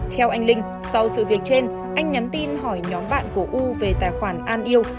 theo anh linh sau sự việc trên anh nhắn tin hỏi nhóm bạn của u về tài khoản an yêu